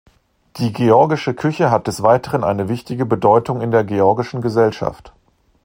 Die georgische Küche hat des Weiteren eine wichtige Bedeutung in der georgischen Gesellschaft.